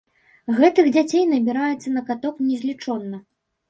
Гэтых дзяцей набіраецца на каток незлічона.